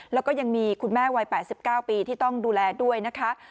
แล้วก็ยังมีคุณแม่วัยแปดสิบเก้าปีที่ต้องดูแลด้วยนะคะครับ